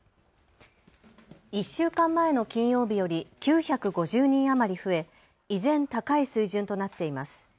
１週間前の金曜日より９５０人余り増え依然、高い水準となっています。